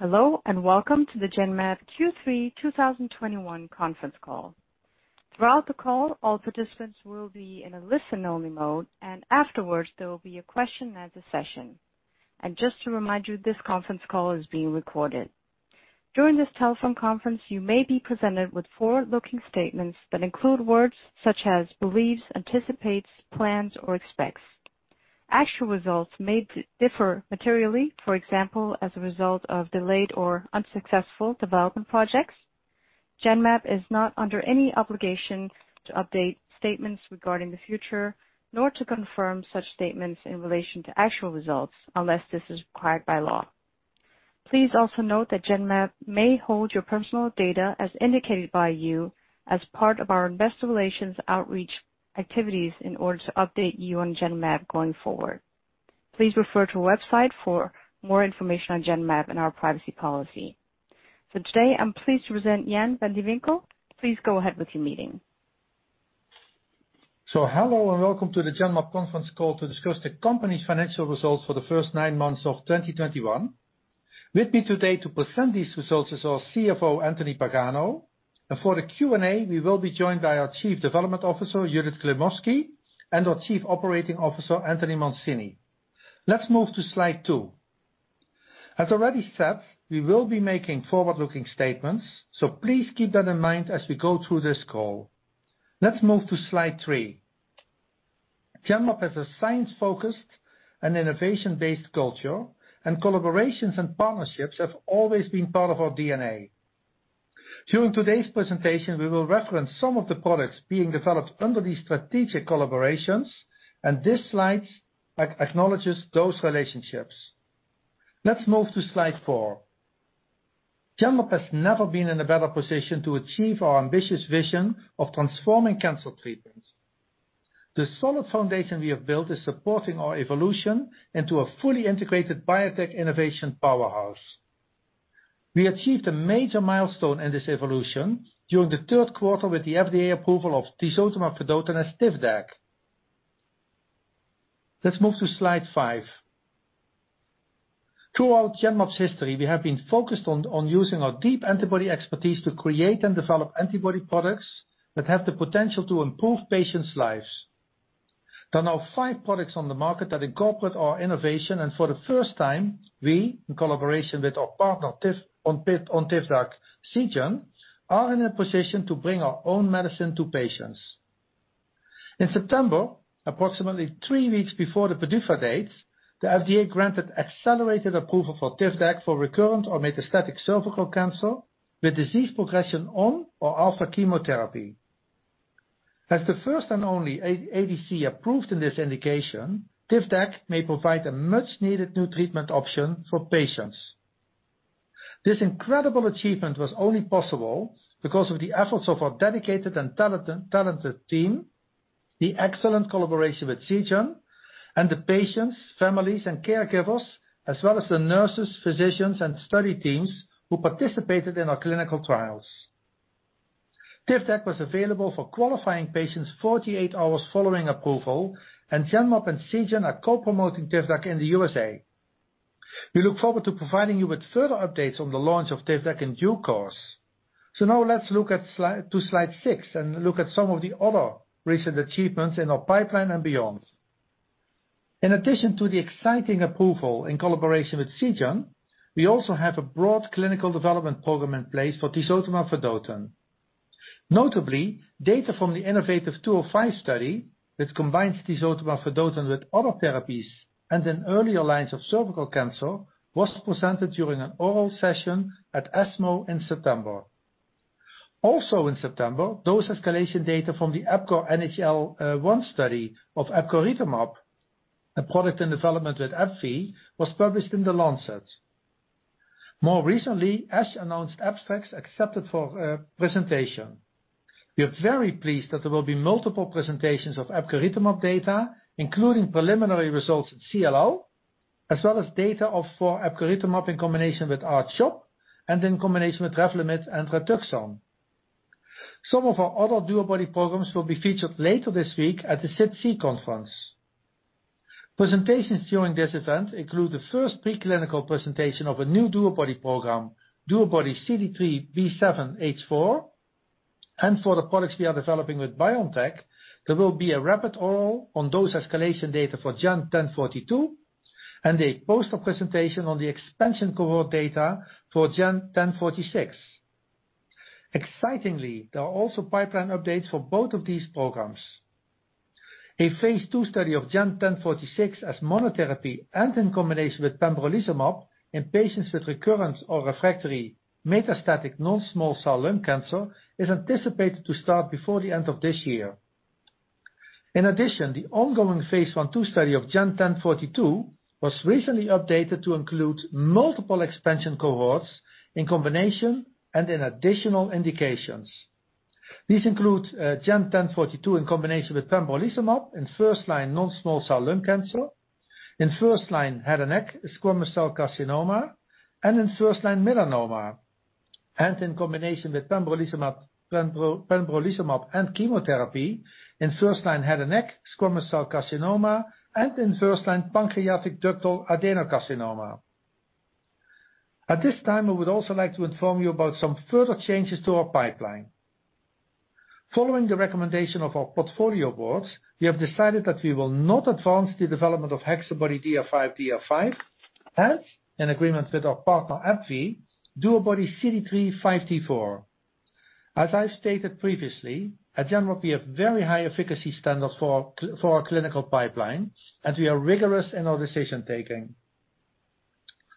Hello, and welcome to the Genmab Q3 2021 conference call. Throughout the call, all participants will be in a listen-only mode, and afterwards, there will be a question and answer session. Just to remind you, this conference call is being recorded. During this telephone conference, you may be presented with forward-looking statements that include words such as believes, anticipates, plans, or expects. Actual results may differ materially, for example, as a result of delayed or unsuccessful development projects. Genmab is not under any obligation to update statements regarding the future, nor to confirm such statements in relation to actual results, unless this is required by law. Please also note that Genmab may hold your personal data as indicated by you as part of our investor relations outreach activities in order to update you on Genmab going forward. Please refer to our website for more information on Genmab and our privacy policy. Today, I'm pleased to present Jan van de Winkel. Please go ahead with your meeting. Hello and welcome to the Genmab conference call to discuss the company's financial results for the first nine months of 2021. With me today to present these results is our CFO, Anthony Pagano. For the Q&A, we will be joined by our Chief Development Officer, Judith Klimovsky, and our Chief Operating Officer, Anthony Mancini. Let's move to slide two. As already said, we will be making forward-looking statements, so please keep that in mind as we go through this call. Let's move to slide three. Genmab has a science-focused and innovation-based culture, and collaborations and partnerships have always been part of our DNA. During today's presentation, we will reference some of the products being developed under these strategic collaborations, and this slide acknowledges those relationships. Let's move to slide four. Genmab has never been in a better position to achieve our ambitious vision of transforming cancer treatment. The solid foundation we have built is supporting our evolution into a fully integrated biotech innovation powerhouse. We achieved a major milestone in this evolution during the third quarter with the FDA approval of tisotumab vedotin as TIVDAK. Let's move to slide five. Throughout Genmab's history, we have been focused on using our deep antibody expertise to create and develop antibody products that have the potential to improve patients' lives. There are now five products on the market that incorporate our innovation, and for the first time, we, in collaboration with our partner, Seagen, on TIVDAK, are in a position to bring our own medicine to patients. In September, approximately three weeks before the PDUFA date, the FDA granted accelerated approval for TIVDAK for recurrent or metastatic cervical cancer, with disease progression on or after chemotherapy. As the first and only ADC approved in this indication, TIVDAK may provide a much-needed new treatment option for patients. This incredible achievement was only possible because of the efforts of our dedicated and talented team, the excellent collaboration with Seagen, and the patients, families, and caregivers, as well as the nurses, physicians, and study teams who participated in our clinical trials. TIVDAK was available for qualifying patients 48 hours following approval, and Genmab and Seagen are co-promoting TIVDAK in the USA. We look forward to providing you with further updates on the launch of TIVDAK in due course. Now let's look at slide six and look at some of the other recent achievements in our pipeline and beyond. In addition to the exciting approval in collaboration with Seagen, we also have a broad clinical development program in place for tisotumab vedotin. Notably, data from the InnovaTIV 2 of 5 study, which combines tisotumab vedotin with other therapies and in earlier lines of cervical cancer, was presented during an oral session at ESMO in September. Also in September, those escalation data from the EPCORE NHL-1 study of epcoritamab, a product in development with AbbVie, was published in The Lancet. More recently, ASH announced abstracts accepted for presentation. We are very pleased that there will be multiple presentations of epcoritamab data, including preliminary results at CLL, as well as data for epcoritamab in combination with R-CHOP and in combination with REVLIMID and Rituxan. Some of our other DuoBody programs will be featured later this week at the SITC conference. Presentations during this event include the first preclinical presentation of a new DuoBody program, DuoBody-CD3xB7H4. For the products we are developing with BioNTech, there will be a rapid oral on dose escalation data for GEN1042, and a poster presentation on the expansion cohort data for GEN1046. Excitingly, there are also pipeline updates for both of these programs. A phase II study of GEN1046 as monotherapy and in combination with pembrolizumab in patients with recurrent or refractory metastatic non-small cell lung cancer is anticipated to start before the end of this year. In addition, the ongoing phase I/II study of GEN1042 was recently updated to include multiple expansion cohorts in combination and in additional indications. These include GEN1042 in combination with pembrolizumab in first-line non-small cell lung cancer, in first-line head and neck squamous cell carcinoma, and in first-line melanoma. In combination with pembrolizumab and chemotherapy in first-line head and neck squamous cell carcinoma and in first-line pancreatic ductal adenocarcinoma. At this time, I would also like to inform you about some further changes to our pipeline. Following the recommendation of our portfolio boards, we have decided that we will not advance the development of HexaBody-DR5/DR5 and in agreement with our partner AbbVie, DuoBody-CD3x5T4. As I stated previously, at Genmab we have very high efficacy standards for our clinical pipeline, and we are rigorous in our decision-making.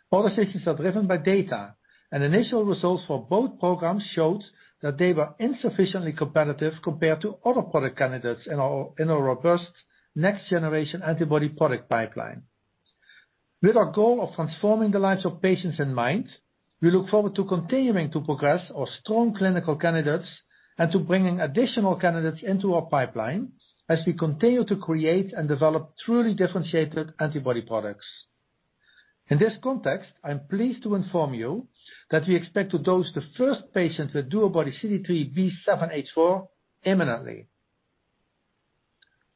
All decisions are driven by data, and initial results for both programs showed that they were insufficiently competitive compared to other product candidates in our robust next generation antibody product pipeline. With our goal of transforming the lives of patients in mind, we look forward to continuing to progress our strong clinical candidates and to bringing additional candidates into our pipeline as we continue to create and develop truly differentiated antibody products. In this context, I'm pleased to inform you that we expect to dose the first patient with DuoBody-CD3xB7H4 imminently.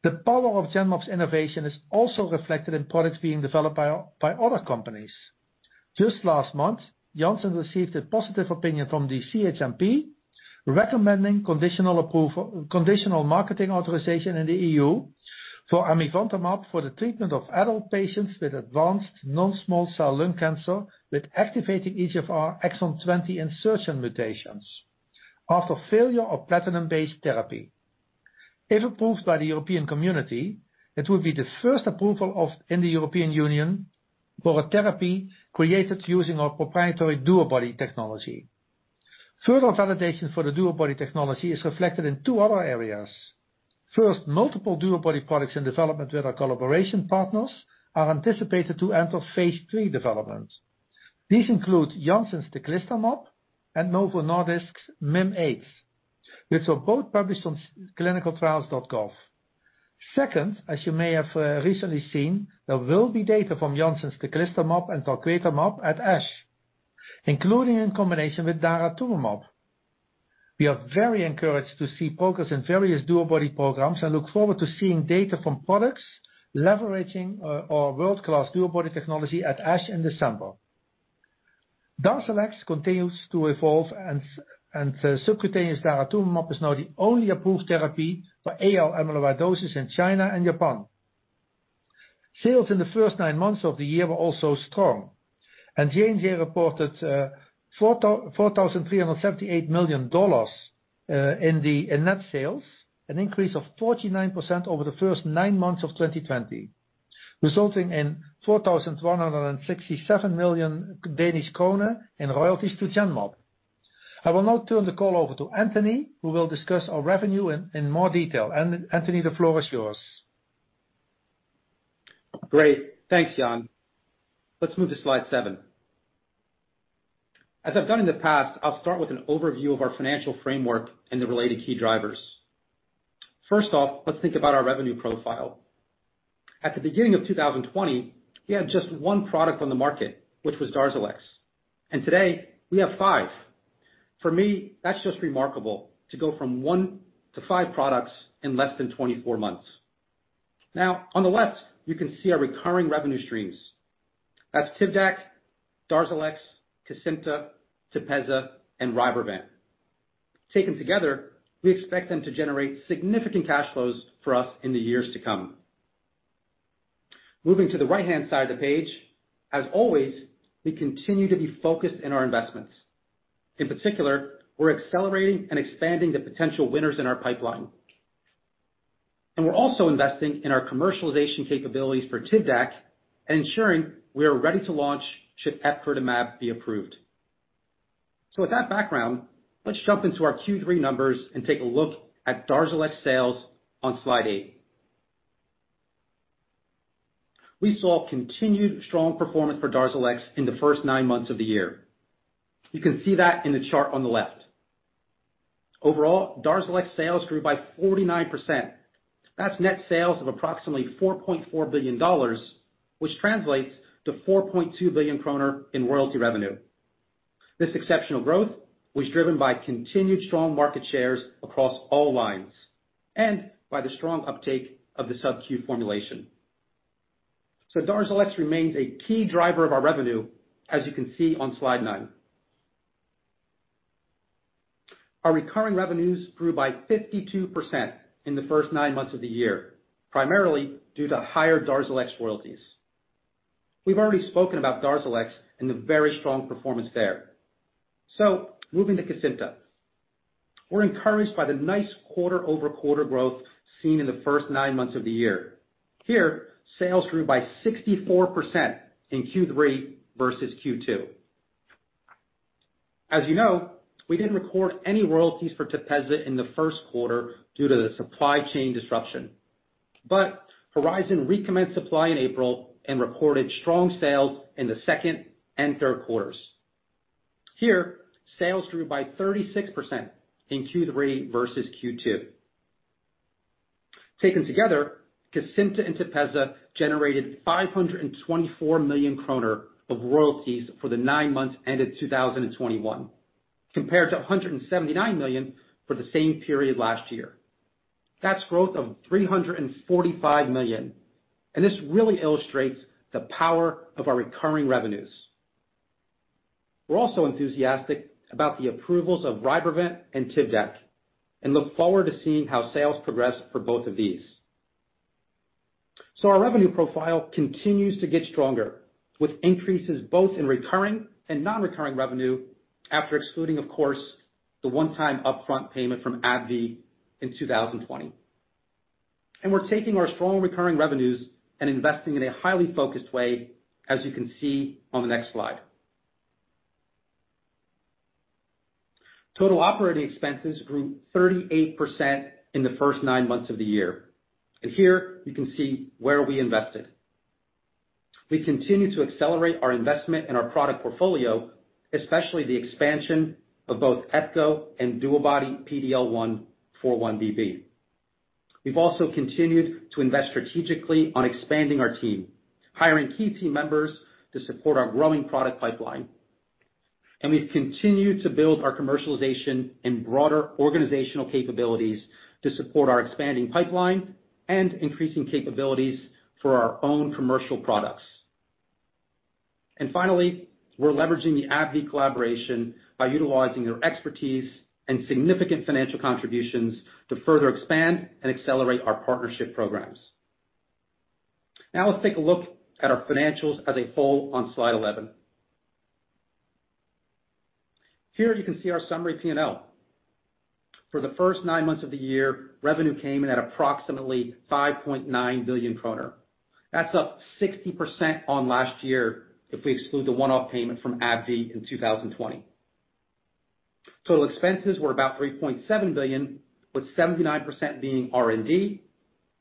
The power of Genmab's innovation is also reflected in products being developed by other companies. Just last month, Janssen received a positive opinion from the CHMP, recommending conditional approval. Conditional marketing authorization in the EU for amivantamab for the treatment of adult patients with advanced non-small cell lung cancer with activating EGFR exon 20 insertion mutations after failure of platinum-based therapy. If approved by the European community, it will be the first approval in the European Union for a therapy created using our proprietary DuoBody technology. Further validation for the DuoBody technology is reflected in two other areas. First, multiple DuoBody products in development with our collaboration partners are anticipated to enter phase III development. These include Janssen's teclistamab and Novo Nordisk's Mim8, which were both published on clinicaltrials.gov. Second, as you may have recently seen, there will be data from Janssen's teclistamab and talquetamab at ASH, including in combination with daratumumab. We are very encouraged to see progress in various DuoBody programs and look forward to seeing data from products leveraging our world-class DuoBody technology at ASH in December. DARZALEX continues to evolve and subcutaneous daratumumab is now the only approved therapy for AL amyloidosis in China and Japan. Sales in the first nine months of the year were also strong, and J&J reported $4,378 million in net sales, an increase of 49% over the first nine months of 2020, resulting in 4,167 million Danish kroner in royalties to Genmab. I will now turn the call over to Anthony, who will discuss our revenue in more detail. Anthony, the floor is yours. Great. Thanks, Jan. Let's move to slide seven. As I've done in the past, I'll start with an overview of our financial framework and the related key drivers. First off, let's think about our revenue profile. At the beginning of 2020, we had just one product on the market, which was DARZALEX. Today we have five. For me, that's just remarkable to go from one to five products in less than 24 months. Now, on the left, you can see our recurring revenue streams. That's TIVDAK, DARZALEX, Kesimpta, TEPEZZA, and RYBREVANT. Taken together, we expect them to generate significant cash flows for us in the years to come. Moving to the right-hand side of the page, as always, we continue to be focused in our investments. In particular, we're accelerating and expanding the potential winners in our pipeline. We're also investing in our commercialization capabilities for TIVDAK and ensuring we are ready to launch should epcoritamab be approved. With that background, let's jump into our Q3 numbers and take a look at DARZALEX sales on slide eight. We saw continued strong performance for DARZALEX in the first nine months of the year. You can see that in the chart on the left. Overall, DARZALEX sales grew by 49%. That's net sales of approximately $4.4 billion, which translates to 4.2 billion kroner in royalty revenue. This exceptional growth was driven by continued strong market shares across all lines and by the strong uptake of the subQ formulation. DARZALEX remains a key driver of our revenue, as you can see on slide nine. Our recurring revenues grew by 52% in the first nine months of the year, primarily due to higher DARZALEX royalties. We've already spoken about DARZALEX and the very strong performance there. Moving to Kesimpta, we're encouraged by the nice quarter-over-quarter growth seen in the first nine months of the year. Here, sales grew by 64% in Q3 versus Q2. As you know, we didn't record any royalties for TEPEZZA in the first quarter due to the supply chain disruption. Horizon recommenced supply in April and recorded strong sales in the second and third quarters. Here, sales grew by 36% in Q3 versus Q2. Taken together, Kesimpta and TEPEZZA generated 524 million kroner of royalties for the nine months ended 2021, compared to 179 million for the same period last year. That's growth of 345 million, and this really illustrates the power of our recurring revenues. We're also enthusiastic about the approvals of RYBREVANT and TIVDAK, and look forward to seeing how sales progress for both of these. Our revenue profile continues to get stronger, with increases both in recurring and non-recurring revenue after excluding, of course, the one-time upfront payment from AbbVie in 2020. We're taking our strong recurring revenues and investing in a highly focused way, as you can see on the next slide. Total operating expenses grew 38% in the first nine months of the year, and here you can see where we invested. We continue to accelerate our investment in our product portfolio, especially the expansion of both Epco and DuoBody PD-L1x4-1BB. We've also continued to invest strategically on expanding our team, hiring key team members to support our growing product pipeline. We've continued to build our commercialization and broader organizational capabilities to support our expanding pipeline and increasing capabilities for our own commercial products. Finally, we're leveraging the AbbVie collaboration by utilizing their expertise and significant financial contributions to further expand and accelerate our partnership programs. Now let's take a look at our financials as a whole on slide 11. Here you can see our summary P&L. For the first nine months of the year, revenue came in at approximately 5.9 billion kroner. That's up 60% on last year if we exclude the one-off payment from AbbVie in 2020. Total expenses were about 3.7 billion, with 79% being R&D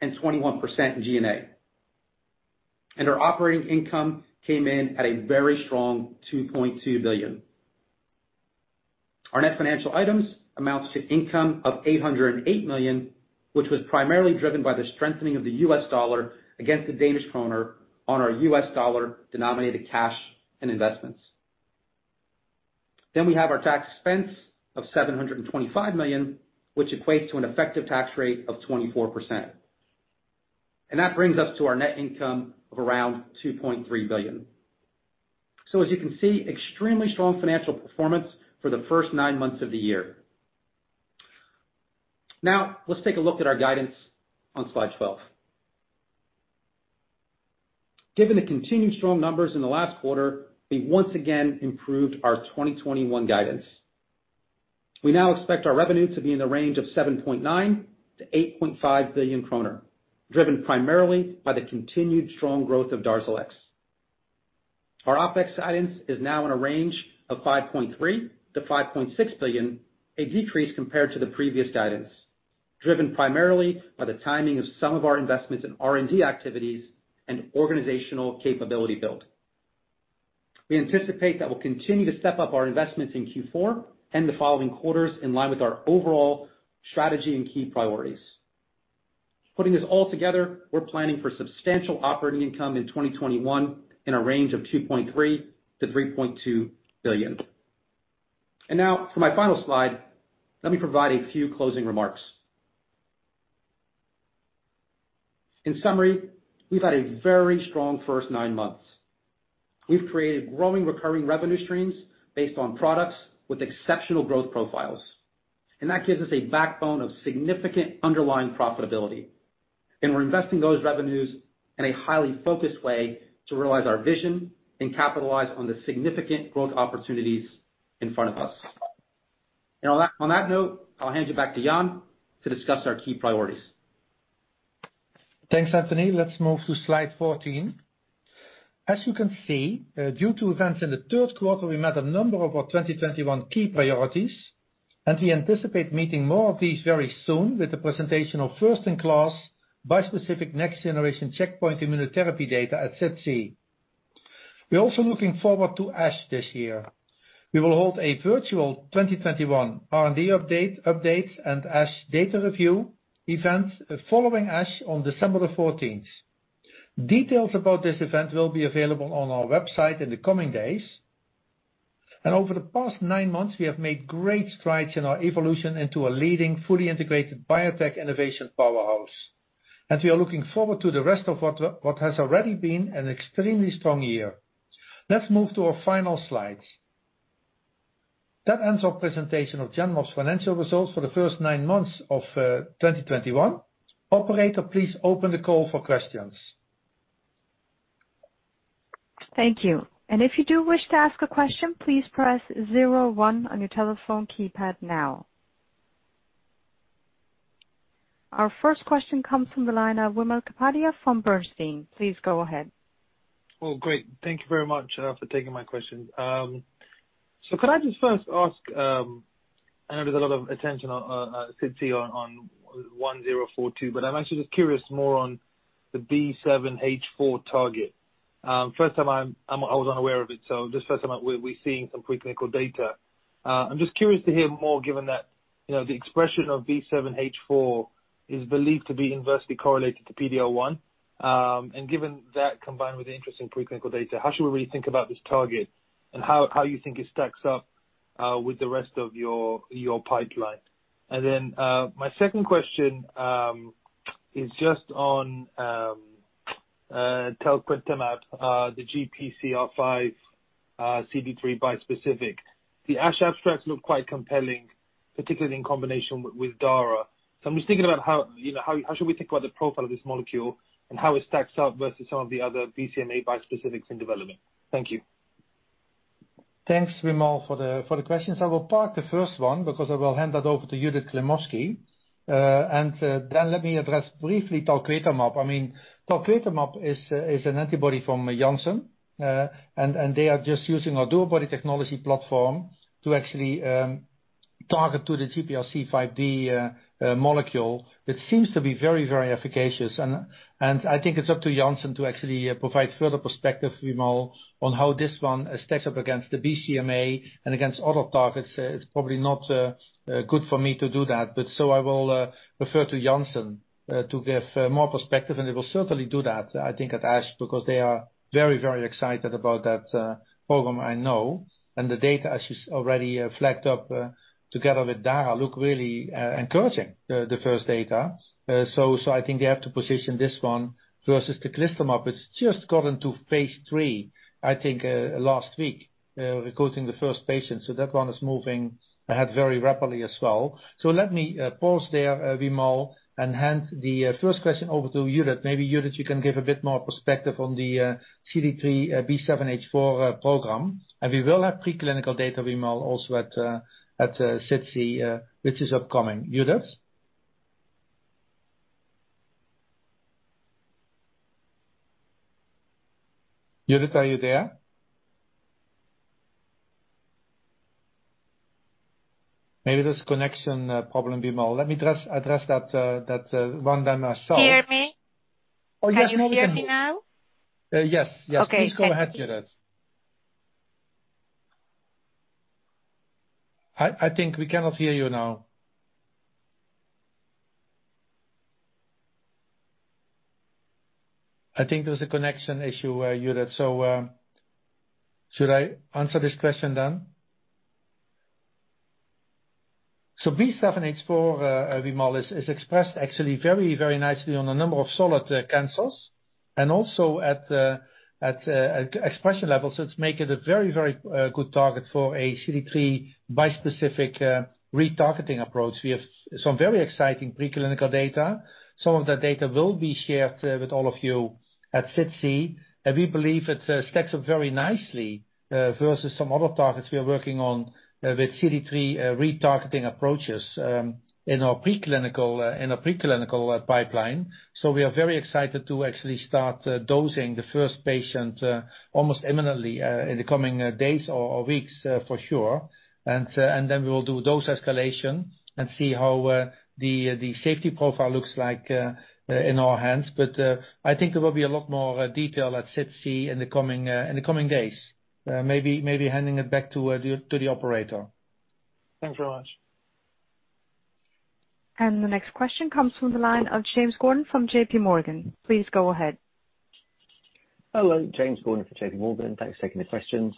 and 21% G&A. Our operating income came in at a very strong 2.2 billion. Our net financial items amounts to income of 808 million, which was primarily driven by the strengthening of the US dollar against the Danish kroner on our US dollar-denominated cash and investments. We have our tax expense of 725 million, which equates to an effective tax rate of 24%. That brings us to our net income of around 2.3 billion. As you can see, extremely strong financial performance for the first nine months of the year. Now, let's take a look at our guidance on slide 12. Given the continued strong numbers in the last quarter, we once again improved our 2021 guidance. We now expect our revenue to be in the range of 7.9 billion-8.5 billion kroner, driven primarily by the continued strong growth of DARZALEX. Our OpEx guidance is now in a range of 5.3 billion-5.6 billion, a decrease compared to the previous guidance, driven primarily by the timing of some of our investments in R&D activities and organizational capability build. We anticipate that we'll continue to step up our investments in Q4 and the following quarters in line with our overall strategy and key priorities. Putting this all together, we're planning for substantial operating income in 2021 in a range of 2.3 billion-3.2 billion. Now, for my final slide, let me provide a few closing remarks. In summary, we've had a very strong first nine months. We've created growing recurring revenue streams based on products with exceptional growth profiles. That gives us a backbone of significant underlying profitability. We're investing those revenues in a highly focused way to realize our vision and capitalize on the significant growth opportunities in front of us. On that note, I'll hand you back to Jan to discuss our key priorities. Thanks, Anthony. Let's move to slide 14. As you can see, due to events in the third quarter, we met a number of our 2021 key priorities, and we anticipate meeting more of these very soon with the presentation of first-in-class bispecific next generation checkpoint immunotherapy data at SITC. We're also looking forward to ASH this year. We will hold a virtual 2021 R&D update and ASH data review event following ASH on December 14. Details about this event will be available on our website in the coming days. Over the past nine months, we have made great strides in our evolution into a leading, fully integrated biotech innovation powerhouse. We are looking forward to the rest of what has already been an extremely strong year. Let's move to our final slide. That ends our presentation of Genmab's financial results for the first nine months of 2021. Operator, please open the call for questions. Our first question comes from the line of Wimal Kapadia from Bernstein. Please go ahead. Well, great. Thank you very much for taking my question. Could I just first ask, I know there's a lot of attention at SITC on 1042, but I'm actually just curious more on the B7-H4 target. First time I was unaware of it, so we're seeing some preclinical data. I'm just curious to hear more given that, you know, the expression of B7-H4 is believed to be inversely correlated to PD-L1. And given that combined with the interest in preclinical data, how should we really think about this target, and how you think it stacks up with the rest of your pipeline? Then, my second question is just on talquetamab, the GPRC5D CD3 bispecific. The ASH abstracts look quite compelling, particularly in combination with Dara. I'm just thinking about how, you know, how should we think about the profile of this molecule and how it stacks up versus some of the other BCMA bispecifics in development. Thank you. Thanks, Vimal, for the questions. I will park the first one because I will hand that over to Judith Klimovsky. Then let me address briefly talquetamab. I mean, talquetamab is an antibody from Janssen. They are just using our DuoBody technology platform to actually target the GPRC5D molecule that seems to be very efficacious. I think it's up to Janssen to actually provide further perspective, Vimal, on how this one stacks up against the BCMA and against other targets. It's probably not good for me to do that, but I will refer to Janssen to give more perspective, and they will certainly do that, I think at ASH, because they are very excited about that program, I know. The data, as she's already flagged up together with daratumumab, look really encouraging, the first data. I think they have to position this one versus talquetamab. It's just gotten to phase III, I think, last week, recruiting the first patient, so that one is moving ahead very rapidly as well. Let me pause there, Wimal, and hand the first question over to Judith. Maybe Judith, you can give a bit more perspective on the CD3 B7-H4 program. We will have preclinical data, Wimal, also at SITC, which is upcoming. Judith? Judith, are you there? Maybe there's a connection problem, Wimal. Let me address that one then myself. Hear me? Oh, yes. Now we can hear. Can you hear me now? Yes. Yes. Okay. Please go ahead, Judith. I think we cannot hear you now. I think there's a connection issue, Judith. Should I answer this question then? B7-H4, Vimal, is expressed actually very nicely on a number of solid cancers, and also at expression levels, which make it a very good target for a CD3 bispecific retargeting approach. We have some very exciting preclinical data. Some of that data will be shared with all of you at SITC. We believe it stacks up very nicely versus some other targets we are working on with CD3 retargeting approaches in our preclinical pipeline. We are very excited to actually start dosing the first patient almost imminently in the coming days or weeks, for sure. And then we will do dose escalation and see how the safety profile looks like in our hands. I think there will be a lot more detail at SITC in the coming days. Maybe handing it back to the operator. Thanks very much. The next question comes from the line of James Gordon from JPMorgan. Please go ahead. Hello. James Gordon for JPMorgan. Thanks for taking the questions.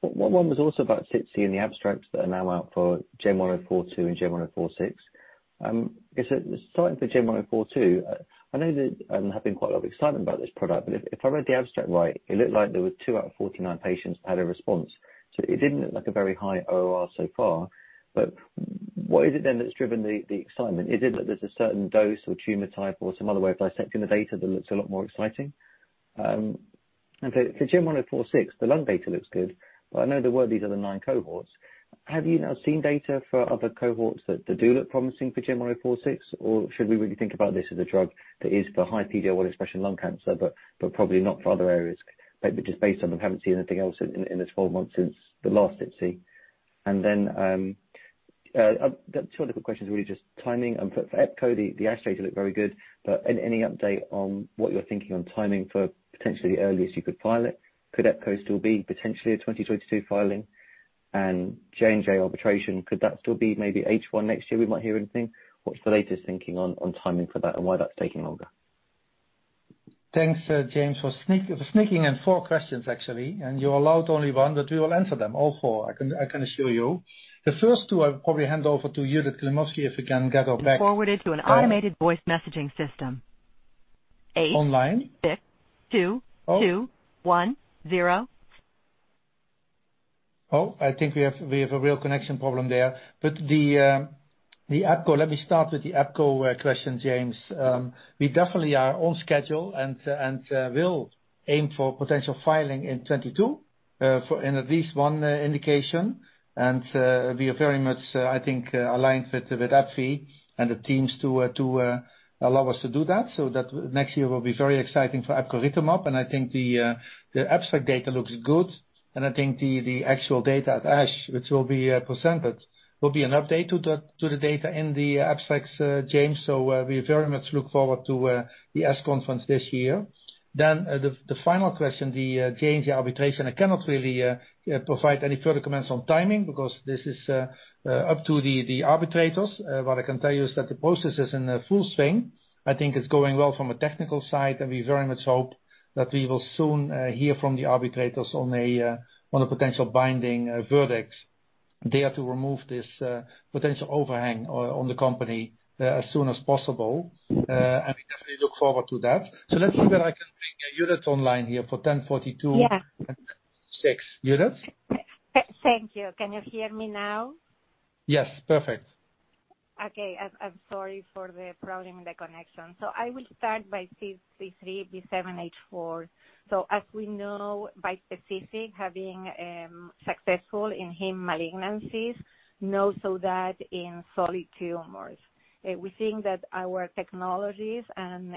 One was also about SITC and the abstracts that are now out for GEN1042 and GEN1046. I guess, starting with GEN1042, I know that there's been quite a lot of excitement about this product, but if I read the abstract right, it looked like there were two out of 49 patients had a response. So it didn't look like a very high ORR so far. But what is it then that's driven the excitement? Is it that there's a certain dose or tumor type or some other way of dissecting the data that looks a lot more exciting? For GEN1046, the lung data looks good, but I know there were these other nine cohorts. Have you now seen data for other cohorts that do look promising for GEN1046? Or should we really think about this as a drug that is for high PD-L1 expression lung cancer, but probably not for other areas? Just based on that, I haven't seen anything else in this whole month since the last SITC. Two other quick questions, really just timing. For epcoritamab, the EPCORE looked very good, but any update on what you're thinking on timing for potentially the earliest you could file it? Could epcoritamab still be potentially a 2022 filing? J&J arbitration, could that still be maybe H1 next year we might hear anything? What's the latest thinking on timing for that and why that's taking longer? Thanks, James, for sneaking in four questions, actually. You're allowed only one, but we will answer them all four, I can assure you. The first two, I will probably hand over to Judith Klimovsky if we can get her back. Forwarded to an automated voice messaging system. Online. Eight six two two one zero. I think we have a real connection problem there. The Epco, let me start with the Epco question, James. We definitely are on schedule and will aim for potential filing in 2022 for in at least one indication. We are very much, I think, aligned with AbbVie and the teams to allow us to do that. That next year will be very exciting for epcoritamab. I think the abstract data looks good, and I think the actual data at ASH, which will be presented, will be an update to the data in the abstracts, James. We very much look forward to the ASH conference this year. The final question, the J&J arbitration. I cannot really provide any further comments on timing because this is up to the arbitrators. What I can tell you is that the process is in full swing. I think it's going well from a technical side, and we very much hope that we will soon hear from the arbitrators on a potential binding verdict there to remove this potential overhang on the company as soon as possible. We definitely look forward to that. Let's see whether I can bring Judith online here for GEN1042- Yeah. 6. Judith? Thank you. Can you hear me now? Yes, perfect. Okay. I'm sorry for the problem with the connection. I will start by CD3, B7-H4. As we know bispecific have been successful in hematologic malignancies, not so in solid tumors. We think that our technologies and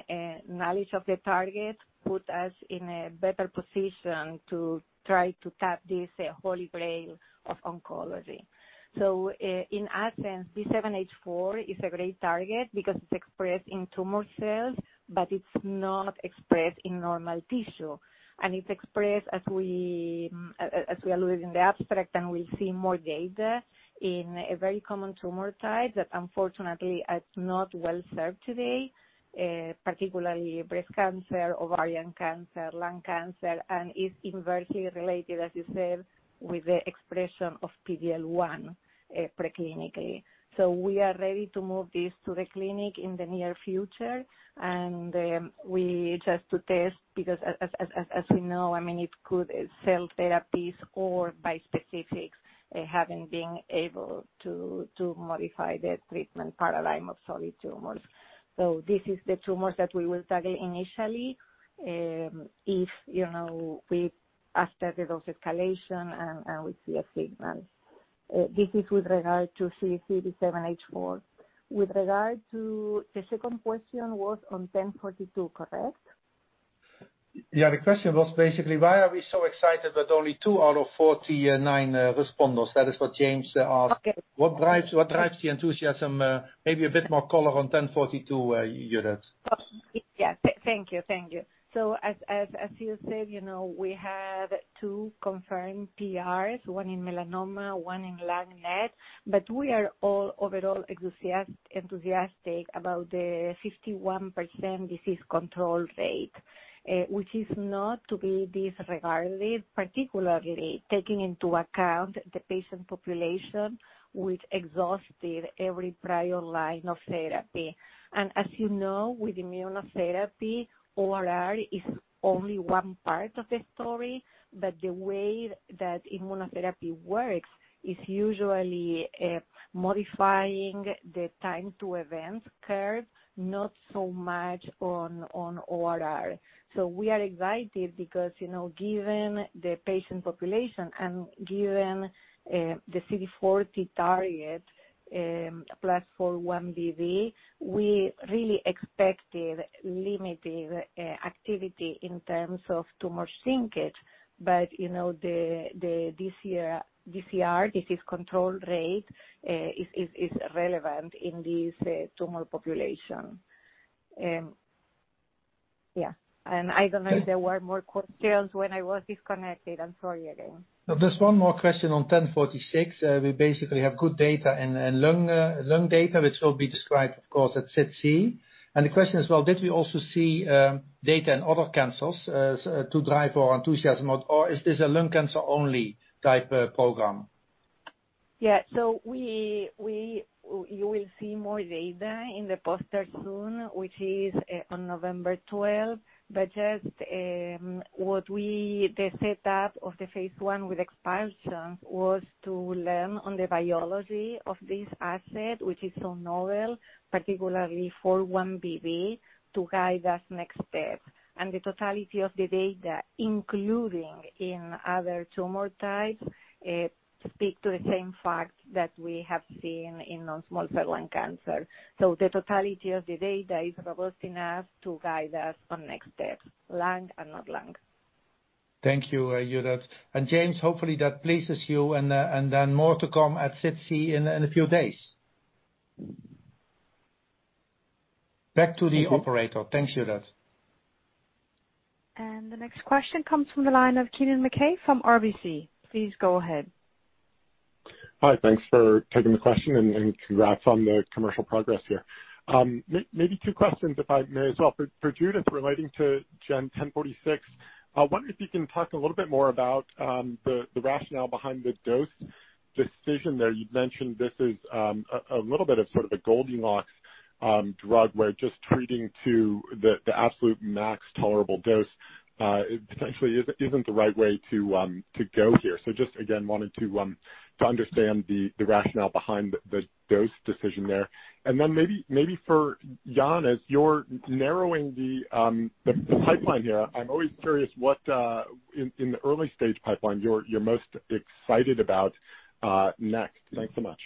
knowledge of the target put us in a better position to try to tap this holy grail of oncology. In essence, B7-H4 is a great target because it's expressed in tumor cells, but it's not expressed in normal tissue. It's expressed as we alluded in the abstract, and we'll see more data in a very common tumor type that unfortunately is not well served today, particularly breast cancer, ovarian cancer, lung cancer, and is inversely related, as you said, with the expression of PD-L1, preclinically. We are ready to move this to the clinic in the near future. We just want to test because as we know, I mean, it's cool that cell therapies or bispecifics have been able to modify the treatment paradigm of solid tumors. These are the tumors that we will study initially, if you know, we study dose escalation and we see a signal. This is with regard to CD3xB7-H4. With regard to the second question, which was on GEN1042, correct? Yeah. The question was basically why are we so excited with only two out of 49 responders? That is what James asked. Okay. What drives the enthusiasm? Maybe a bit more color on 1042, Judith. Oh, yeah. Thank you. As you said, you know, we have two confirmed PRs, one in melanoma, one in lung NET, but we are all overall enthusiastic about the 51% disease control rate, which is not to be disregarded, particularly taking into account the patient population which exhausted every prior line of therapy. As you know, with immunotherapy, ORR is only one part of the story, but the way that immunotherapy works is usually modifying the time to event curve, not so much on ORR. We are excited because, you know, given the patient population and given the CD40 target plus 4-1BB, we really expected limited activity in terms of tumor shrinkage. But you know, the DCR, disease control rate, is relevant in this tumor population. Yeah. I don't know if there were more questions when I was disconnected. I'm sorry again. No, just one more question on GEN1046. We basically have good data and lung data which will be described of course at SITC. The question is, did we also see data in other cancers to drive our enthusiasm, or is this a lung cancer only type program? You will see more data in the poster soon, which is on November 12. The setup of the phase I with expansion was to learn on the biology of this asset, which is so novel, particularly for 4-1BB, to guide us next step. The totality of the data, including in other tumor types, speak to the same fact that we have seen in non-small cell lung cancer. The totality of the data is robust enough to guide us on next step, lung and not lung. Thank you, Judith. James, hopefully that pleases you and then more to come at SITC in a few days. Back to the operator. Thanks, Judith. The next question comes from the line of Kennen MacKay from RBC. Please go ahead. Hi. Thanks for taking the question and congrats on the commercial progress here. Maybe two questions, if I may as well. For Judith, relating to GEN1046, I wonder if you can talk a little bit more about the rationale behind the dose decision there. You'd mentioned this is a little bit of sort of a Goldilocks drug, where just treating to the absolute max tolerable dose potentially isn't the right way to go here. Just again, wanted to understand the rationale behind the dose decision there. Maybe for Jan, as you're narrowing the pipeline here, I'm always curious what in the early stage pipeline you're most excited about next. Thanks so much.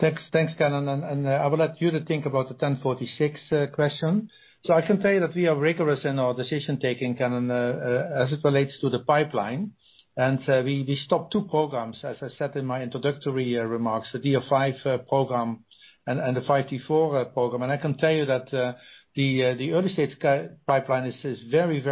Thanks. Thanks, Kennen. I will let you think about the GEN1046 question. I can tell you that we are rigorous in our decision-taking, Kennen, as it relates to the pipeline. We stopped two programs, as I said in my introductory remarks, the DR5 program and the 5T4 program. I can tell you that the early-stage pipeline is very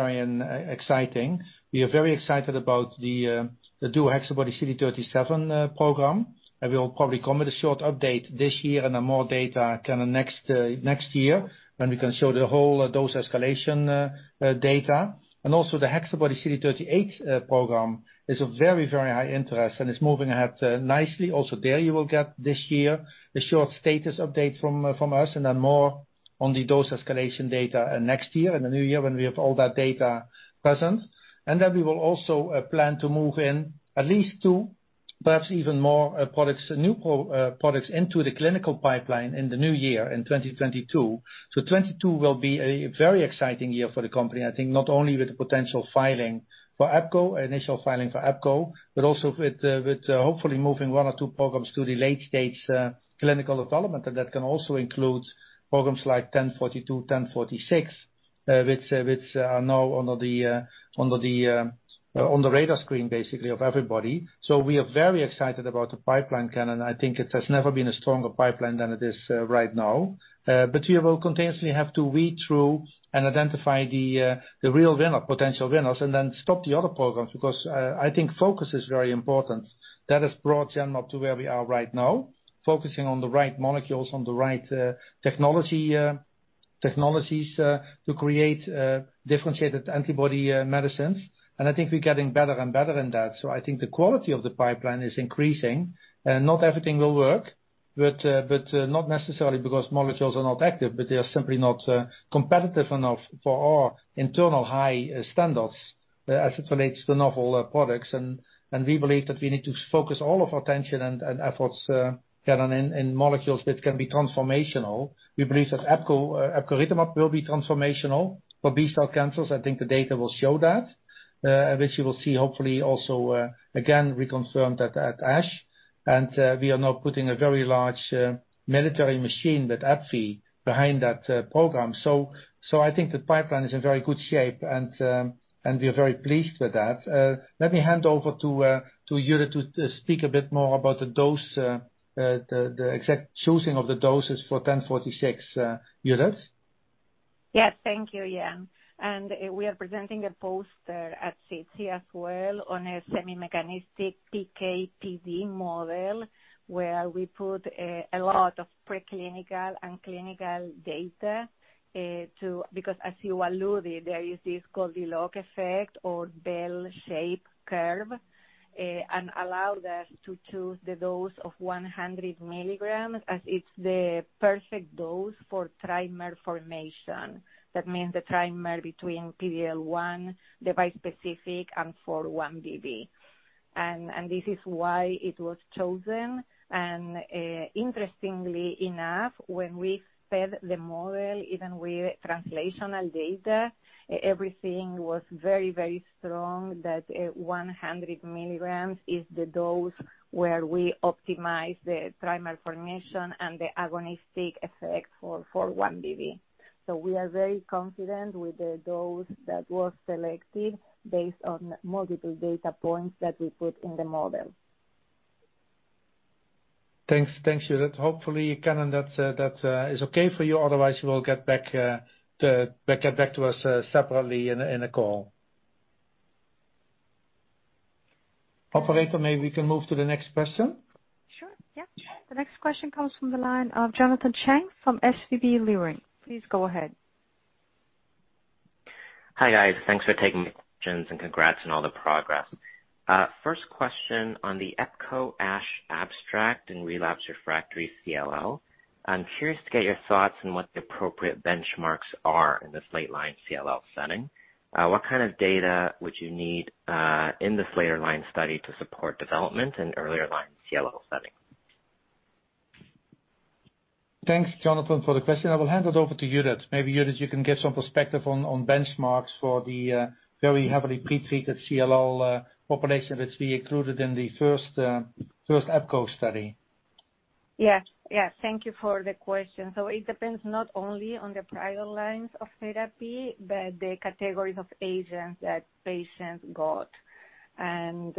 exciting. We are very excited about the DuoHexaBody-CD37 program, and we'll probably come with a short update this year and then more data kind of next year when we can show the whole dose escalation data. The HexaBody-CD38 program is very high interest, and it's moving ahead nicely. There, you will get this year a short status update from us, and then more on the dose escalation data next year in the new year when we have all that data present. Then we will also plan to move at least two, perhaps even more, new products into the clinical pipeline in the new year, in 2022. 2022 will be a very exciting year for the company, I think, not only with the potential initial filing for Epco, but also with hopefully moving one or two programs to the late-stage clinical development. That can also include programs like GEN1042, GEN1046, which are now on the radar screen basically of everybody. We are very excited about the pipeline, Keenan. I think it has never been a stronger pipeline than it is right now. We will continuously have to weed through and identify the real winner, potential winners, and then stop the other programs, because I think focus is very important. That has brought Genmab to where we are right now, focusing on the right molecules, on the right technologies to create differentiated antibody medicines. I think we're getting better and better in that. I think the quality of the pipeline is increasing, and not everything will work, but not necessarily because molecules are not active, but they are simply not competitive enough for our internal high standards as it relates to novel products. We believe that we need to focus all of our attention and efforts, Kennen, in molecules that can be transformational. We believe that epcoritamab will be transformational for B-cell cancers. I think the data will show that, which you will see hopefully also, again reconfirmed at ASH. We are now putting a very large military machine with epcoritamab behind that program. I think the pipeline is in very good shape, and we are very pleased with that. Let me hand over to Judith to speak a bit more about the dose, the exact choosing of the doses for GEN1046. Judith? Yes. Thank you. We are presenting a poster at CT as well on a semi-mechanistic PK/PD model where we put a lot of preclinical and clinical data. Because as you alluded, there is this Goldilocks effect or bell-shaped curve, and allow us to choose the dose of 100 milligrams as it's the perfect dose for trimer formation. That means the trimer between PD-L1, the bispecific, and 4-1BB. This is why it was chosen. Interestingly enough, when we fed the model, even with translational data, everything was very, very strong that 100 milligrams is the dose where we optimize the trimer formation and the agonistic effect for 4-1BB. We are very confident with the dose that was selected based on multiple data points that we put in the model. Thanks. Thanks, Judith. Hopefully, Kennen, that is okay for you. Otherwise you will get back to us separately in a call. Operator, maybe we can move to the next question. Sure, yeah. The next question comes from the line of Jonathan Chang from SVB Leerink. Please go ahead. Hi, guys. Thanks for taking the questions and congrats on all the progress. First question on the epcoritamab ASH abstract in relapsed refractory CLL. I'm curious to get your thoughts on what the appropriate benchmarks are in this late line CLL setting. What kind of data would you need in this later line study to support development in earlier line CLL settings? Thanks, Jonathan, for the question. I will hand it over to Judith. Maybe, Judith, you can give some perspective on benchmarks for the very heavily pretreated CLL population which we included in the first Epco study. Yeah. Yeah. Thank you for the question. It depends not only on the prior lines of therapy, but the categories of agents that patients got, and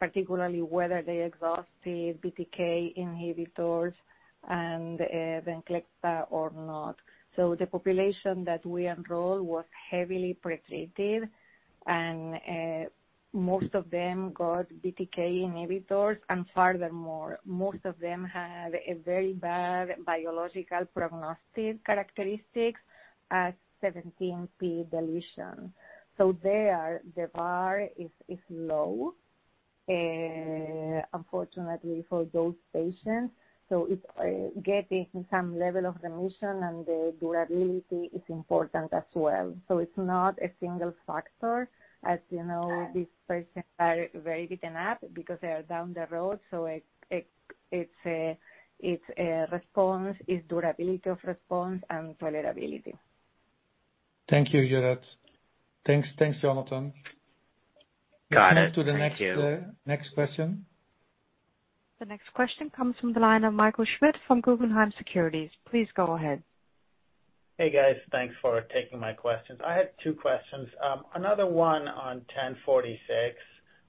particularly whether they exhausted BTK inhibitors and VENCLEXTA or not. The population that we enrolled was heavily pretreated, and most of them got BTK inhibitors. Furthermore, most of them have a very bad biological prognostic characteristics at 17p deletion. There the bar is low, unfortunately for those patients. It's getting some level of remission and the durability is important as well. It's not a single factor. As you know, these patients are very beaten up because they are down the road, so it's a response, it's durability of response and tolerability. Thank you, Judith. Thanks. Thanks, Jonathan. Got it. Thank you. Let's move to the next question. The next question comes from the line of Michael Schmidt from Guggenheim Securities. Please go ahead. Hey, guys. Thanks for taking my questions. I had two questions. Another one on GEN1046.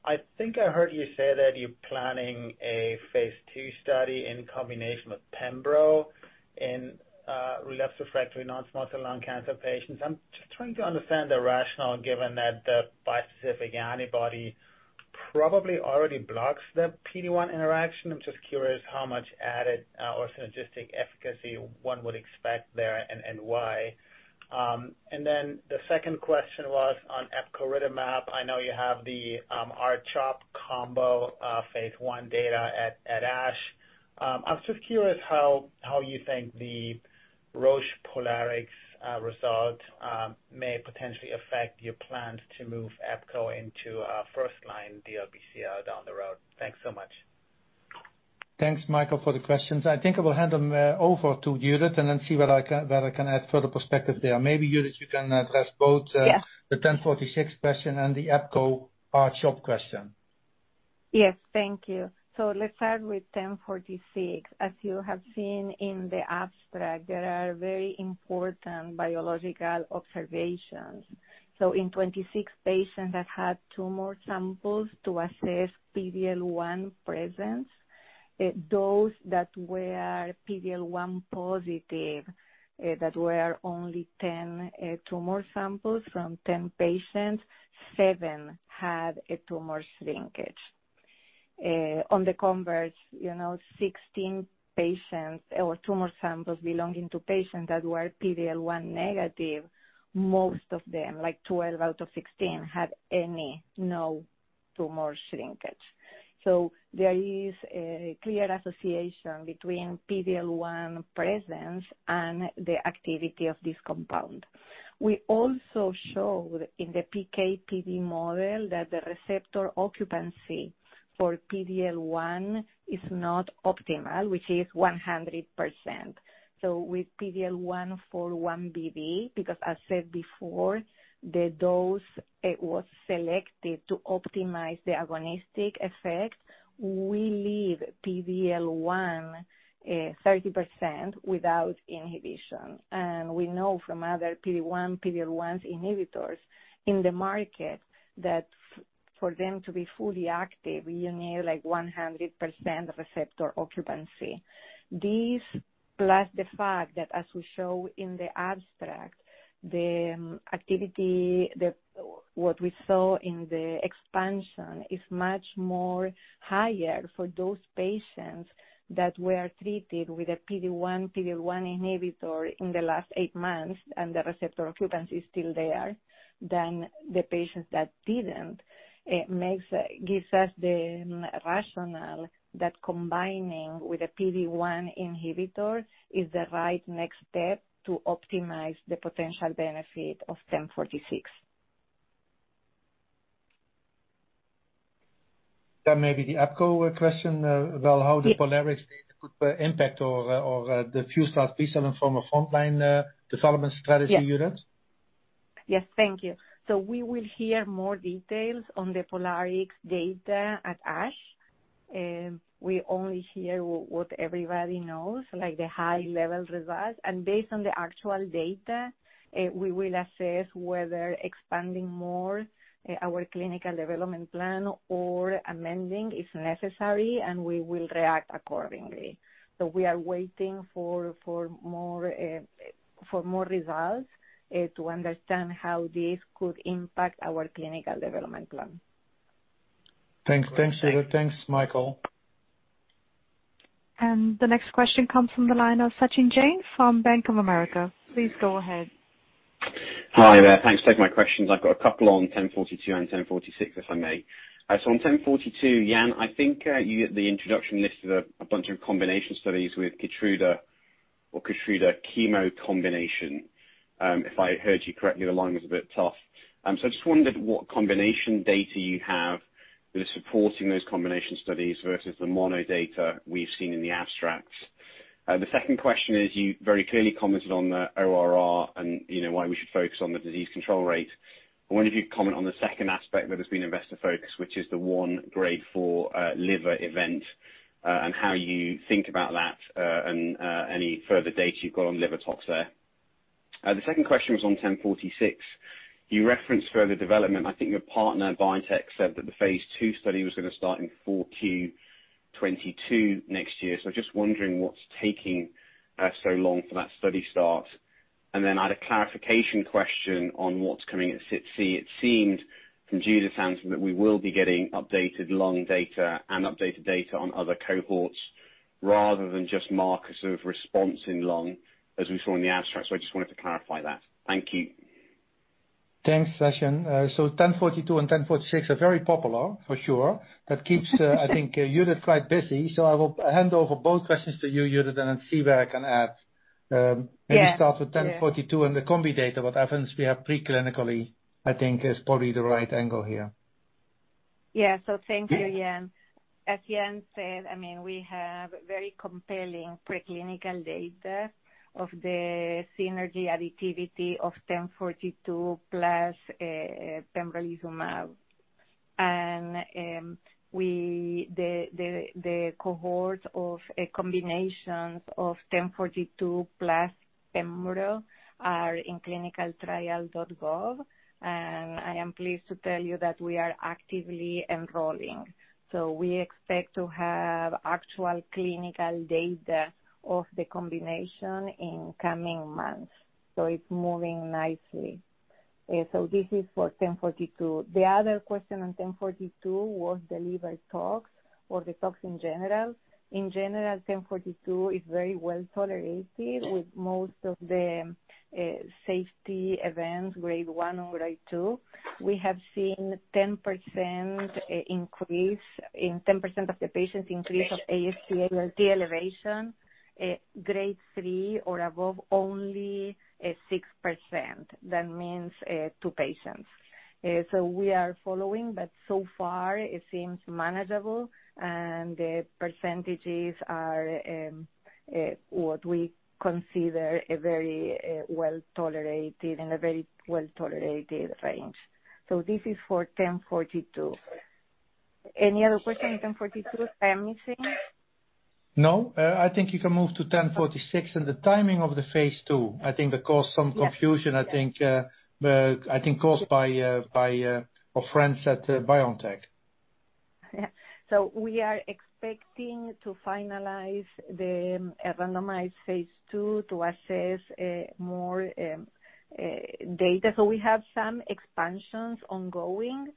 I think I heard you say that you're planning a phase II study in combination with Pembro in relapsed refractory non-small cell lung cancer patients. I'm just trying to understand the rationale, given that the bispecific antibody probably already blocks the PD-1 interaction. I'm just curious how much added or synergistic efficacy one would expect there and why. The second question was on epcoritamab. I know you have the R-CHOP combo phase I data at ASH. I'm just curious how you think the Roche POLARIX result may potentially affect your plans to move Epco into first-line DLBCL down the road. Thanks so much. Thanks, Michael, for the questions. I think I will hand them over to Judith and then see whether I can add further perspective there. Maybe, Judith, you can address both. Yes. the 1046 question and the epcoritamab R-CHOP question. Yes. Thank you. Let's start with GEN1046. As you have seen in the abstract, there are very important biological observations. In 26 patients that had tumor samples to assess PD-L1 presence, those that were PD-L1 positive, that were only 10 tumor samples from 10 patients, seven had a tumor shrinkage. On the converse, you know, 16 patients or tumor samples belonging to patients that were PD-L1 negative, most of them, like 12 out of 16, had no tumor shrinkage. There is a clear association between PD-L1 presence and the activity of this compound. We also showed in the PK/PD model that the receptor occupancy for PD-L1 is not optimal, which is 100%. With PD-L1 4-1BB, because as said before, the dose was selected to optimize the agonistic effect, we leave PD-L1 30% without inhibition. We know from other PD-1, PD-L1 inhibitors in the market that for them to be fully active, you need, like, 100% receptor occupancy. This, plus the fact that as we show in the abstract, the activity what we saw in the expansion is much more higher for those patients that were treated with a PD-1, PD-L1 inhibitor in the last eight months, and the receptor occupancy is still there than the patients that didn't. It makes gives us the rationale that combining with a PD-1 inhibitor is the right next step to optimize the potential benefit of 1046. Maybe the epcoritamab question about how Yes. The POLARIX data could impact the first-line bispecific and from a frontline development strategy standpoint. Yes. Yes. Thank you. We will hear more details on the POLARIX data at ASH. We only hear what everybody knows, like the high level results. Based on the actual data, we will assess whether expanding more our clinical development plan or amending is necessary, and we will react accordingly. We are waiting for more results to understand how this could impact our clinical development plan. Thanks. Thanks, Judith. Thanks, Michael. The next question comes from the line of Sachin Jain from Bank of America. Please go ahead. Hi there. Thanks. Take my questions. I've got a couple on GEN1042 and GEN1046, if I may. On GEN1042, Jan, I think you at the introduction listed a bunch of combination studies with KEYTRUDA or KEYTRUDA chemo combination. If I heard you correctly, the line was a bit tough. I just wondered what combination data you have that is supporting those combination studies versus the mono data we've seen in the abstracts. The second question is, you very clearly commented on the ORR and, you know, why we should focus on the disease control rate. I wonder if you'd comment on the second aspect where there's been investor focus, which is the one grade four liver event, and how you think about that, and any further data you've got on liver tox there. The second question was on GEN1046. You referenced further development. I think your partner, BioNTech, said that the phase II study was gonna start in Q4 2022 next year. Just wondering what's taking so long for that study start. I had a clarification question on what's coming at SITC. It seemed from Judith's answer that we will be getting updated lung data and updated data on other cohorts rather than just markers of response in lung, as we saw in the abstract. I just wanted to clarify that. Thank you. Thanks, Sachin. GEN1042 and GEN1046 are very popular, for sure. That keeps, I think, Judith quite busy. I will hand over both questions to you, Judith, and then see where I can add. Maybe- Yeah. Start with GEN1042 and the combo data. What evidence we have preclinically, I think is probably the right angle here. Thank you, Jan. As Jan said, we have very compelling preclinical data of the synergy additivity of GEN1042+ pembrolizumab. The cohort of combinations of GEN1042+ pembro are in clinicaltrials.gov. I am pleased to tell you that we are actively enrolling. We expect to have actual clinical data of the combination in coming months. It's moving nicely. This is for GEN1042. The other question on GEN1042 was the liver tox or the tox in general. In general, GEN1042 is very well tolerated with most of the safety events grade one or grade two. We have seen 10% increase in 10% of the patients increase of AST/ALT elevation grade three or above only 6%. That means two patients. We are following, but so far it seems manageable and the percentages are what we consider a very well-tolerated range. This is for GEN1042. Any other question on GEN1042 I am missing? No, I think you can move to GEN1046 and the timing of the phase II. I think that caused some confusion. Yes. I think caused by our friends at BioNTech. Yeah. We are expecting to finalize the randomized phase II to assess more data. We have some expansions ongoing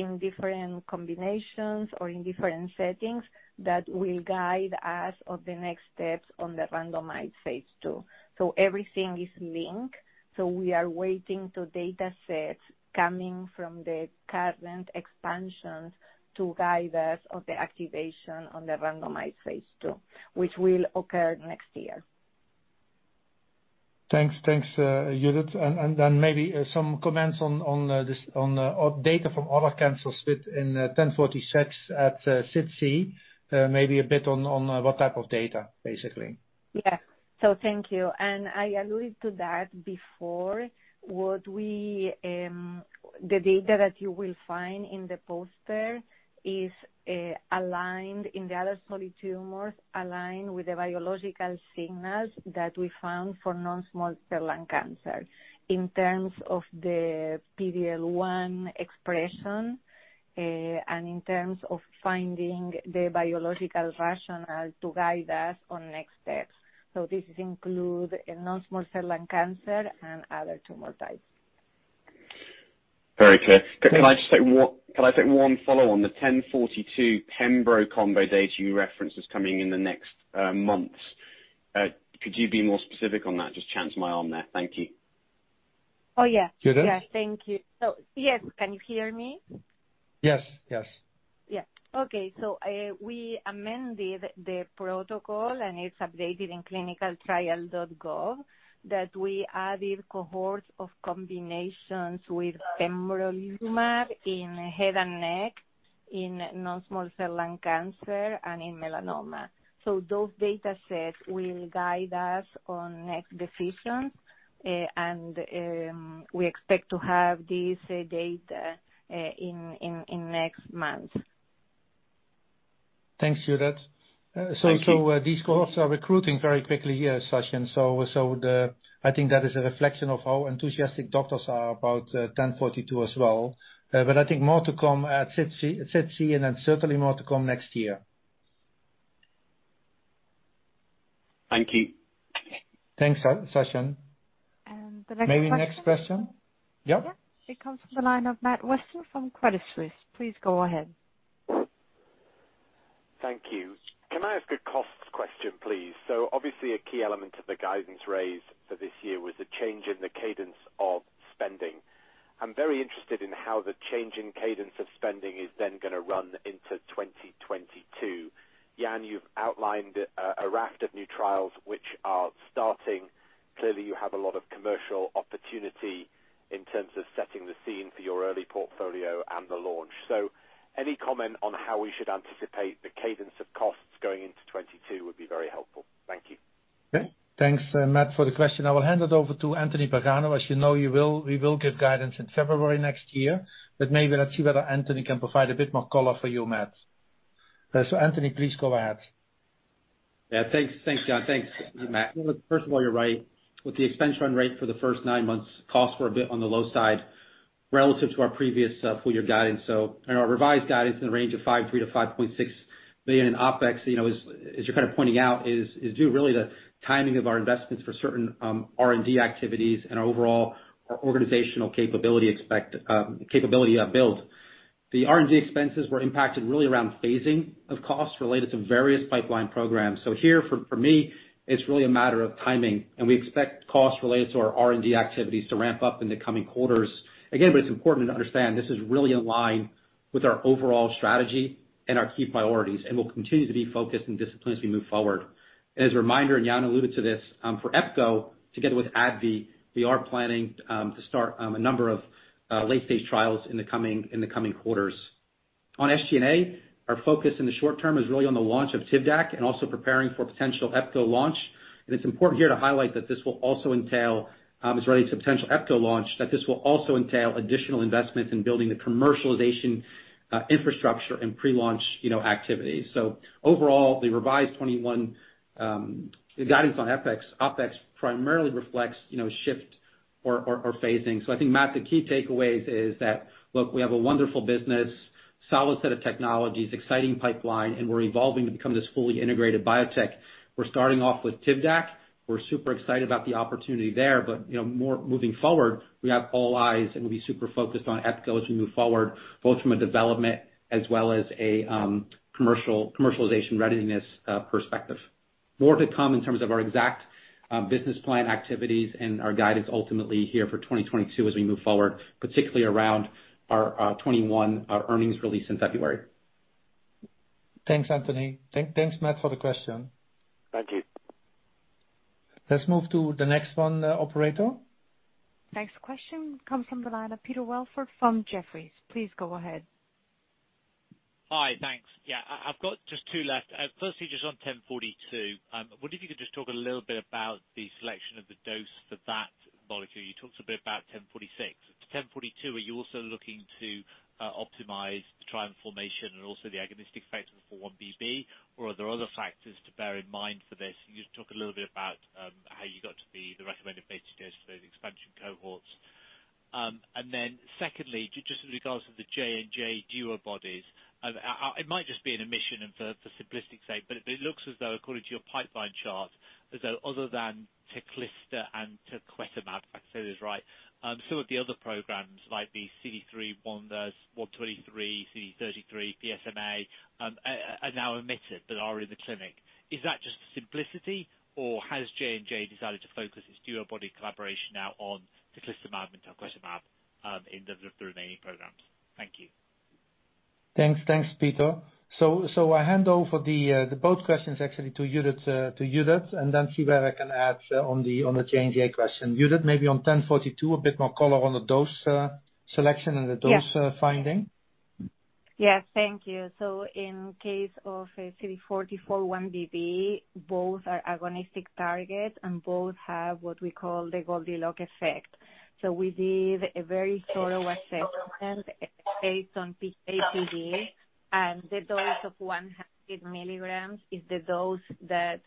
in different combinations or in different settings that will guide us on the next steps on the randomized phase II. Everything is linked. We are waiting for data sets coming from the current expansions to guide us on the activation on the randomized phase II, which will occur next year. Thanks, Judith. Then maybe some comments on this data from other cancers with GEN1046 at SITC, maybe a bit on what type of data, basically. Yeah. Thank you. I alluded to that before. The data that you will find in the poster is aligned in the other solid tumors, aligned with the biological signals that we found for non-small cell lung cancer in terms of the PD-L1 expression, and in terms of finding the biological rationale to guide us on next steps. This include a non-small cell lung cancer and other tumor types. Very clear. Thanks. Can I just take one follow on the GEN1042 Pembro combo data you referenced is coming in the next months. Could you be more specific on that? Just chance my arm there. Thank you. Oh, yeah. Judith? Yeah. Thank you. Yes. Can you hear me? Yes. Yes. We amended the protocol and it's updated in clinicaltrials.gov, that we added cohorts of combinations with pembrolizumab in head and neck, in non-small cell lung cancer and in melanoma. Those data sets will guide us on next decisions, and we expect to have this data in next month. Thanks, Judith. Thank you. These cohorts are recruiting very quickly here, Sachin. I think that is a reflection of how enthusiastic doctors are about GEN1042 as well. I think more to come at SITC and then certainly more to come next year. Thank you. Thanks, Sachin. The next question. Maybe next question. Yep. Yeah. It comes from the line of Matt Weston from Credit Suisse. Please go ahead. Thank you. Can I ask a costs question, please? Obviously a key element of the guidance raise for this year was the change in the cadence of spending. I'm very interested in how the change in cadence of spending is then gonna run into 2022. Jan, you've outlined a raft of new trials which are starting. Clearly, you have a lot of commercial opportunity in terms of setting the scene for your early portfolio and the launch. Any comment on how we should anticipate the cadence of costs going into 2022 would be very helpful. Thank you. Okay. Thanks, Matt, for the question. I will hand it over to Anthony Pagano. As you know, we will give guidance in February next year, but maybe let's see whether Anthony can provide a bit more color for you, Matt. Anthony, please go ahead. Yeah. Thanks. Thanks, Jan. Thanks, Matt. First of all, you're right. With the expense run rate for the first nine months, costs were a bit on the low side relative to our previous full year guidance. Our revised guidance in the range of 5.3 million-5.6 million in OpEx, you know, as you're kind of pointing out, is due really to timing of our investments for certain R&D activities and overall our organizational capability build. The R&D expenses were impacted really around phasing of costs related to various pipeline programs. For me, it's really a matter of timing, and we expect costs related to our R&D activities to ramp up in the coming quarters. It's important to understand this is really in line with our overall strategy and our key priorities, and we'll continue to be focused and disciplined as we move forward. As a reminder, and Jan alluded to this, for Epco, together with AbbVie, we are planning to start a number of late-stage trials in the coming quarters. On SG&A, our focus in the short term is really on the launch of TIVDAK and also preparing for potential Epco launch. It's important here to highlight that this will also entail additional investments in building the commercialization infrastructure and pre-launch activities. Overall, the revised 2021 guidance on OpEx primarily reflects shift or phasing. I think, Matt, the key takeaways is that, look, we have a wonderful business, solid set of technologies, exciting pipeline, and we're evolving to become this fully integrated biotech. We're starting off with TIVDAK. We're super excited about the opportunity there. You know, more moving forward, we have all eyes, and we'll be super focused on epcoritamab as we move forward, both from a development as well as a commercialization readiness perspective. More to come in terms of our exact business plan activities and our guidance ultimately here for 2022 as we move forward, particularly around our 2021 earnings release in February. Thanks, Anthony. Thanks, Matt, for the question. Thank you. Let's move to the next one, operator. Next question comes from the line of Peter Welford from Jefferies. Please go ahead. Hi. Thanks. Yeah. I've got just two left. Firstly, just on ten forty-two, wonder if you could just talk a little bit about the selection of the dose for that molecule. You talked a bit about ten forty-six. Ten forty-two, are you also looking to optimize the trimer formation and also the agonistic effect of the 4-1BB? Or are there other factors to bear in mind for this? Can you just talk a little bit about how you got to the recommended base dose for the expansion cohorts? Secondly, just in regards to the J&J DuoBody, it might just be an omission and for simplistic sake, but it looks as though according to your pipeline chart, as though other than Teclistamab and Talquetamab, if I said this right, some of the other programs like the CD3, CD123, CD33, PSMA are now omitted but are in the clinic. Is that just simplicity or has J&J decided to focus its DuoBody collaboration now on Teclistamab and Talquetamab in the remaining programs? Thank you. Thanks. Thanks, Peter. I hand over both questions actually to Judith, and then see where I can add on the J&J question. Judith, maybe on 1042, a bit more color on the dose selection and the dose finding. Yes. Thank you. In case of CD40 and 4-1BB, both are agonistic targets, and both have what we call the Goldilocks effect. We did a very thorough assessment based on PD, and the dose of 100 milligrams is the dose that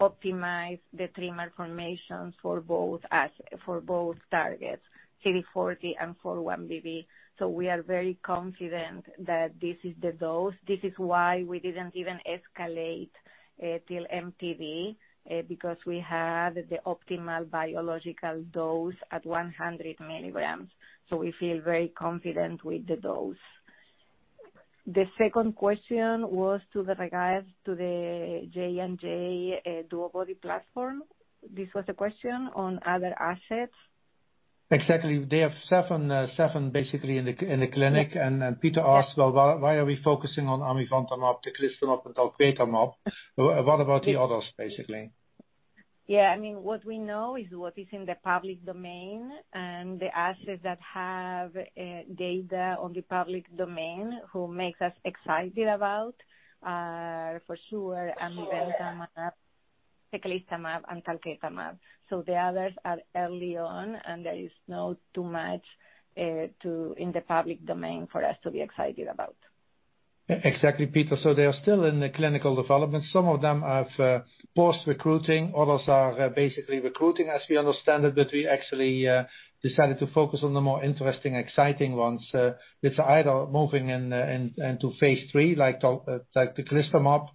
optimize the trimer formations for both targets, CD40 and 4-1BB. We are very confident that this is the dose. This is why we didn't even escalate till MTD, because we had the optimal biological dose at 100 milligrams. We feel very confident with the dose. The second question was with regard to the J&J DuoBody platform. This was a question on other assets. Exactly. They have seven basically in the clinic. Peter asked, Well, why are we focusing on amivantamab, teclistamab, and talquetamab? What about the others, basically? Yeah. I mean, what we know is what is in the public domain and the assets that have data in the public domain that make us excited about for sure amivantamab, teclistamab and talquetamab. The others are early on, and there is not too much in the public domain for us to be excited about. Exactly, Peter. They are still in the clinical development. Some of them have post-recruiting. Others are basically recruiting as we understand it, but we actually decided to focus on the more interesting, exciting ones with either moving into phase III, like teclistamab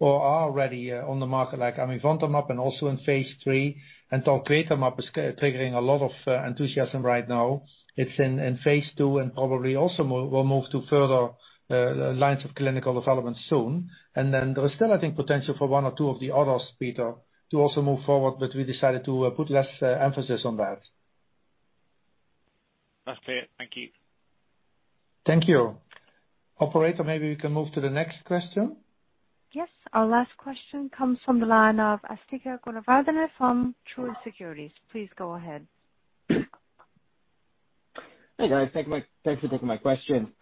or are already on the market like amivantamab, and also in phase III. Talquetamab is triggering a lot of enthusiasm right now. It's in phase II and probably also will move to further lines of clinical development soon. Then there is still, I think, potential for one or two of the others, Peter, to also move forward, but we decided to put less emphasis on that. That's it. Thank you. Thank you. Operator, maybe we can move to the next question. Yes. Our last question comes from the line of Asthika Goonewardene from Truist Securities. Please go ahead. Hey, guys. Thanks for taking my question.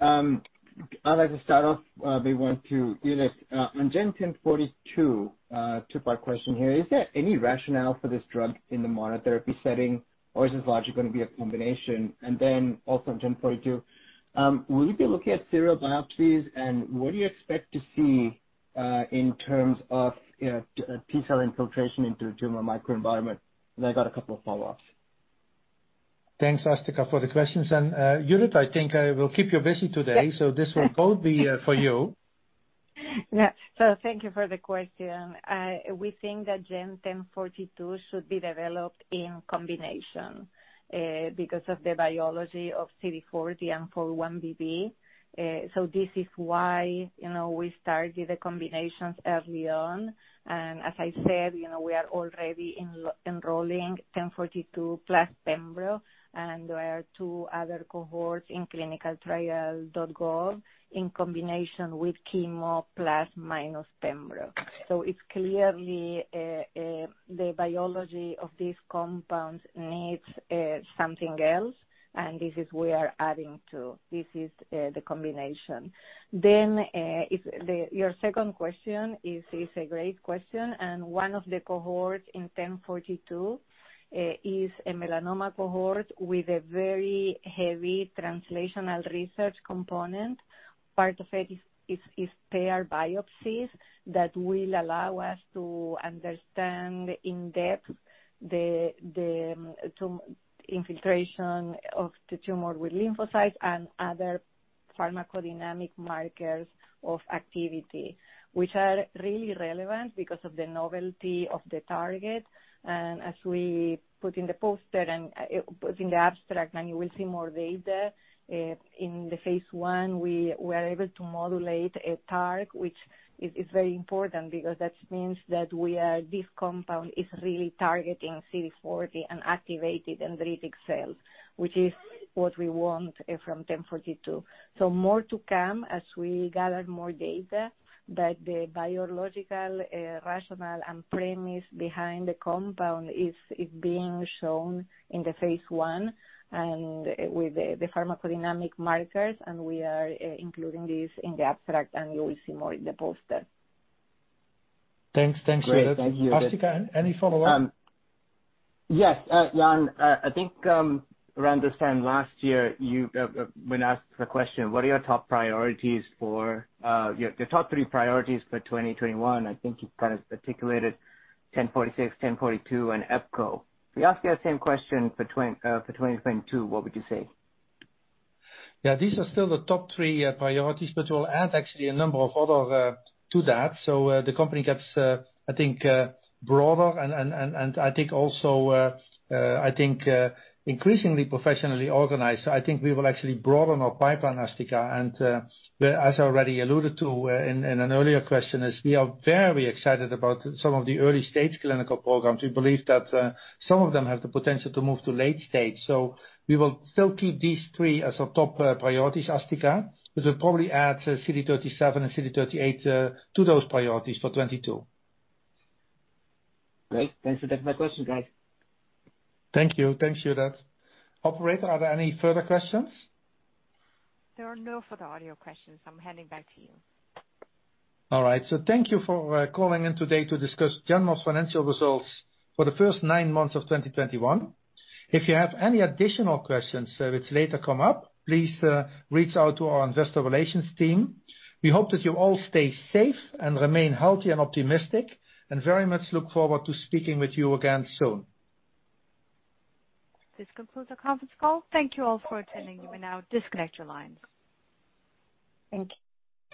I'd like to start off, maybe one to Judith. On GEN1042, two-part question here. Is there any rationale for this drug in the monotherapy setting, or is this only gonna be a combination? And then also on GEN1042, will you be looking at serial biopsies, and what do you expect to see, in terms of, you know, T-cell infiltration into the tumor microenvironment? And I got a couple of follow-ups. Thanks, Asthika, for the questions. Judith, I think I will keep you busy today, so this will both be for you. Yeah. Thank you for the question. We think that GEN1042 should be developed in combination because of the biology of CD40 and 4-1BB. This is why, you know, we started the combinations early on. As I said, you know, we are already enrolling GEN1042+ pembro, and there are two other cohorts in clinicaltrials.gov in combination with chemo plus minus pembro. It's clearly the biology of these compounds needs something else, and this is we are adding to. This is the combination. Your second question is a great question, and one of the cohorts in GEN1042 is a melanoma cohort with a very heavy translational research component. Part of it is paired biopsies that will allow us to understand in depth the infiltration of the tumor with lymphocytes and other pharmacodynamic markers of activity, which are really relevant because of the novelty of the target. As we put in the poster and put in the abstract, and you will see more data in the phase I, we were able to modulate a target, which is very important because that means that this compound is really targeting CD40 and activated dendritic cells, which is what we want from GEN1042. More to come as we gather more data, but the biological rationale and premise behind the compound is being shown in the phase I and with the pharmacodynamic markers, and we are including this in the abstract, and you will see more in the poster. Thanks. Thanks for that. Great. Thank you. Asthika, any follow-up? Yes, Jan, I think around this time last year, when asked the question what are your top three priorities for 2021, I think you kind of articulated 1046, 1042 and EPCO. If we ask you that same question for 2022, what would you say? Yeah, these are still the top three priorities, but we'll add actually a number of other to that. The company gets, I think, broader and I think also, I think, increasingly professionally organized. I think we will actually broaden our pipeline, Asthika. As I already alluded to, in an earlier question, is we are very excited about some of the early-stage clinical programs. We believe that, some of them have the potential to move to late stage. We will still keep these three as our top priorities, Asthika, but we'll probably add CD37 and CD38 to those priorities for 2022. Great. Thanks for taking my question, guys. Thank you. Thanks for that. Operator, are there any further questions? There are no further audio questions. I'm handing back to you. All right, thank you for calling in today to discuss Genmab's financial results for the first nine months of 2021. If you have any additional questions, which later come up, please reach out to our investor relations team. We hope that you all stay safe and remain healthy and optimistic, and very much look forward to speaking with you again soon. This concludes our conference call. Thank you all for attending. You may now disconnect your lines. Thank you.